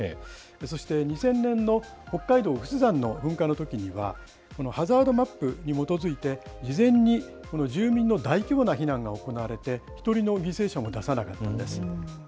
そして２０００年の北海道・有珠山の噴火のときには、ハザードマップに基づいて、事前に住民の大規模な避難が行われて、一人の犠牲者も出さなかったんです。